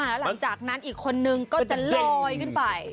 แล้วหลังจากนั้นอีกคนนึงก็จะลอยขึ้นไป